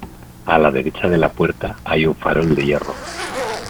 A la derecha de la puerta hay un farol de hierro.